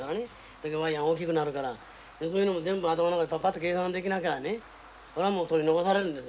でワイヤー大きくなるからでそういうのも全部頭の中でパパッと計算できなきゃねそらもう取り残されるんです。